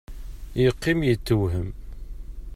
Yeqqim yettewhem.